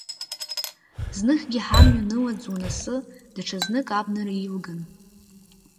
Зныхгьы ҳамҩа нылаӡуан асы, даҽазных абнара илган.